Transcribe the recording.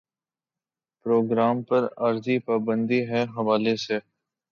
programme پر عارضی پابندی کے حوالے سے